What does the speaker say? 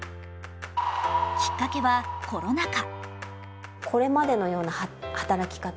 きっかけはコロナ禍。